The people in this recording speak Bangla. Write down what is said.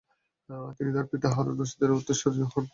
তিনি তার পিতা হারুনুর রশিদের উত্তরসুরি হন।